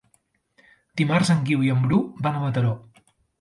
Dimarts en Guiu i en Bru van a Mataró.